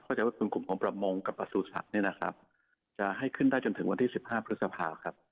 ก็จะว่ากลุ่มของประมงกับประสูจรศักดิ์จะให้ขึ้นได้จนถึงวันที่๑๕พฤศภาคมครับ